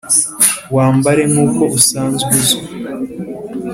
wambare nkuko usanzwe uzwi!